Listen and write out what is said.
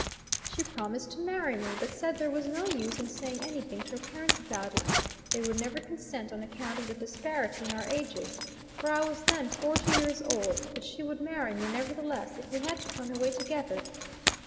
She promised to marry me, but said there was no use in saying anything to her parents about it; they would never consent on account of the disparity in our ages, for I was then forty years old; but she would marry me nevertheless, if we had to run away together.